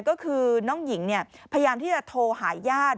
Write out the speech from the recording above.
ก็คือน้องหญิงพยายามที่จะโทรหาญาติ